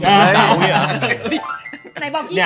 นายบอก๒๖ไอ้คุณค่ะ